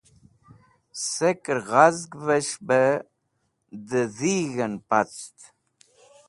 sekr ghazg'vesh da dheeg̃h pact